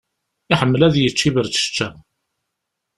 Iḥemmel ad yečč iberčečča.